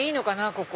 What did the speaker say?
ここ。